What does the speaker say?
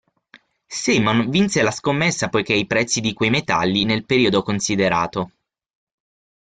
Simon vinse la scommessa poiché i prezzi di quei metalli, nel periodo considerato.